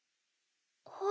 はい。